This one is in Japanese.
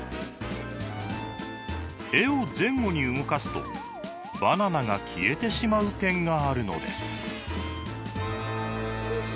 絵を前後に動かすとバナナが消えてしまう点があるのです。